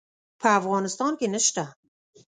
په افغانستان کې نشته